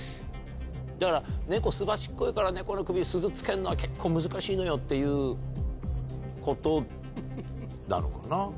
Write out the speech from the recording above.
だから猫すばしっこいから猫の首に鈴付けんのは結構難しいのよっていうことなのかな。